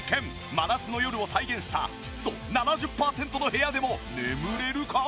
真夏の夜を再現した湿度７０パーセントの部屋でも眠れるか？